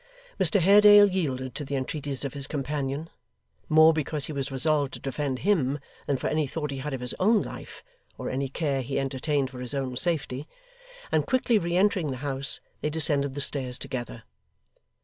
Mr Haredale yielded to the entreaties of his companion more because he was resolved to defend him, than for any thought he had of his own life, or any care he entertained for his own safety and quickly re entering the house, they descended the stairs together.